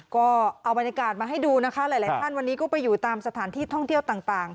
ก็เอาบรรยากาศมาให้ดูนะคะหลายท่านวันนี้ก็ไปอยู่ตามสถานที่ท่องเที่ยวต่าง